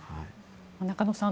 中野さん